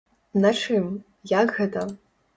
На чым, як гэта?